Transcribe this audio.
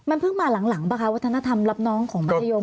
มันเพิ่งมาหลังป่ะคะวัฒนธรรมรับน้องของมัธยม